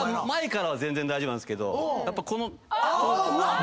前からは全然大丈夫ですけどやっぱこの。